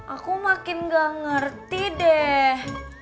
aku makin gak ngerti deh